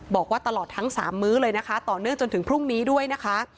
บอกว่าตลอดทั้ง๓มื้อเลยนะคะต่อเนื่องจนถึงพรุ่งนี้ด้วยนะคะ